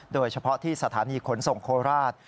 โดยเฉพาะที่สถานีขนส่งโคราช